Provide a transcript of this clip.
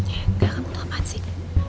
engga kamu tuh apaan sih